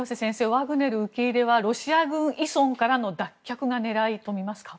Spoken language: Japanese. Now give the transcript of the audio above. ワグネル受け入れはロシア軍依存からの脱却があるとみられますか。